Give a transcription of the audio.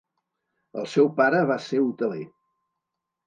El seu pare va ser hoteler.